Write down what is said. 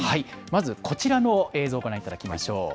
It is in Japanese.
まず、こちらの映像をご覧いただきましょう。